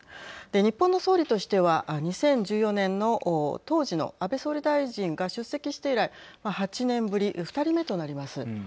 日本の総理としては２０１４年の当時の安倍総理大臣が出席して以来８年ぶり２人目となります。